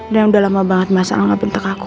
dan sudah lama banget masalah ngebentuk aku